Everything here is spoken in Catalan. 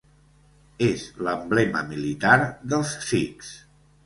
És l'emblema militar dels sikhs.